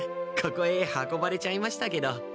ここへ運ばれちゃいましたけど。